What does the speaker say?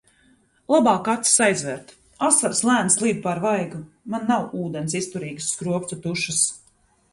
Labāk acis aizvērt. Asaras lēni slīd pār vaigu. Man nav ūdens izturīgas skropstu tušas.